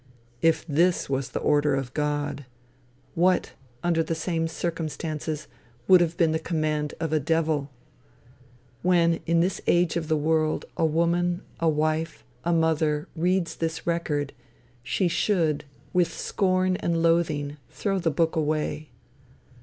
If this was the order of God, what, under the same circumstances, would have been the command of a devil? When, in this age of the world, a woman, a wife, a mother, reads this record, she should, with scorn and loathing, throw the book away.